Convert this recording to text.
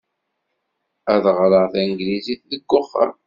Ad ɣreɣ tanglizit deg wexxam.